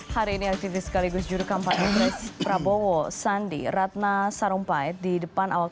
hai hari ini aktivis sekaligus juru kampanye prabowo sandi ratna sarumpait di depan awak